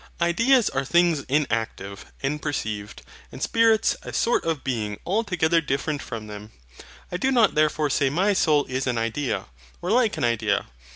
Ideas are things inactive, and perceived. And Spirits a sort of beings altogether different from them. I do not therefore say my soul is an idea, or like an idea.